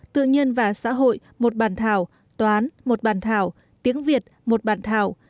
tự nhiên và xã hội một bản thảo toán một bản thảo tiếng việt một bản thảo